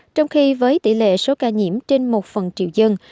trong khi với tỷ lệ số ca nhiễm trên một phần triệu dân